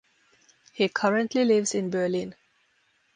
He currently lives in Berlin.